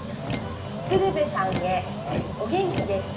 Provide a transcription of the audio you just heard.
「つるべさんへお元気ですか？」。